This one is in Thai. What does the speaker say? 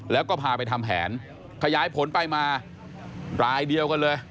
แล้วก็พาไปทำแผนขยายผลไปมารายเดียวกันเลย